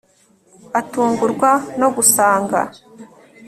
atungurwa no gusanga……… …………